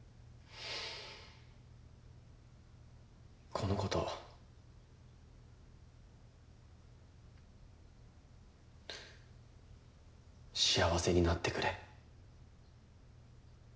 この子と幸せになってくれ。